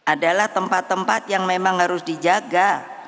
adalah tempat tempat yang memang harus dijaga